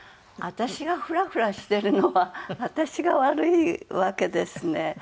私がフラフラしてるのは私が悪いわけですね。